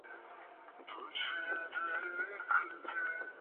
সীতারাম কহিল, প্রাণ।